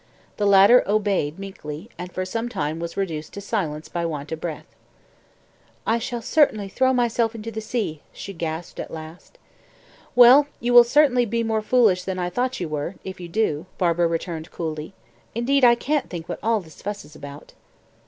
The latter obeyed meekly, and for some time was reduced to silence by want of breath. "I shall certainly throw myself into the sea," she gasped at last. "Well, you will certainly be more foolish than I thought you were, if you do," Barbara returned calmly. "Indeed, I can't think what all this fuss is about."